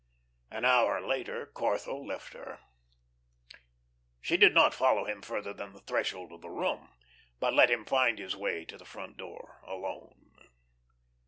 An hour later Corthell left her. She did not follow him further than the threshold of the room, but let him find his way to the front door alone.